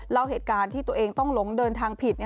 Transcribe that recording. เล่าเหตุการณ์ที่ตัวเองต้องหลงเดินทางผิด